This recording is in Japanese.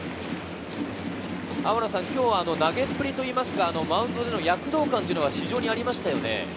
今日は投げっぷりといいますか、マウンド上での躍動感もありましたよね。